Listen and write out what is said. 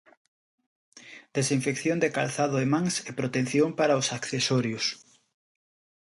Desinfección de calzado e mans e protección para os accesorios.